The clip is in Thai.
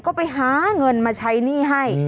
ก็ไปหาเงินมาใช้หนี้ให้